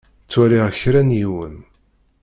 Ttwaliɣ kra n yiwen.